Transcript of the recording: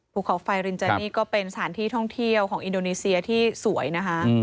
ภูเขาไฟรินจานี่ก็เป็นสถานที่ท่องเที่ยวของอินโดนีเซียที่สวยนะคะ